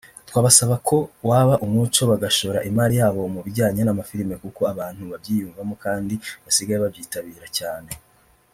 Twabasaba ko waba umuco bagashora imari yabo mu bijyanye n’amafilimi kuko abantu babyiyumvamo kandi basigaye babyitabira cyane